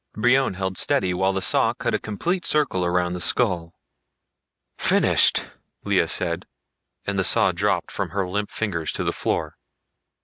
Brion held steady while the saw cut a circle completely around the skull. "Finished," Lea said and the saw dropped from her limp fingers to the floor.